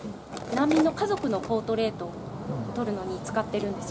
難民の家族のポートレートを撮るのに使ってるんですよ。